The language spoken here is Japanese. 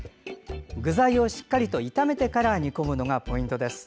具材をしっかりと炒めてから煮込むのがポイントです。